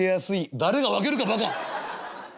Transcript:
「誰が分けるか馬鹿！